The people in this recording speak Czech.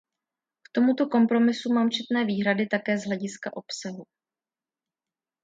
K tomuto kompromisu mám četné výhrady také z hlediska obsahu.